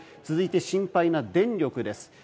続いて、心配な電力です。